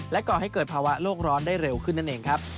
ก่อให้เกิดภาวะโลกร้อนได้เร็วขึ้นนั่นเองครับ